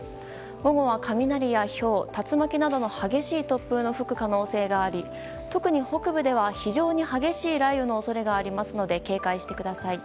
午後は雷やひょう、竜巻などの激しい突風の吹く可能性があり特に北部では非常に激しい雷雨の恐れがありますので警戒してください。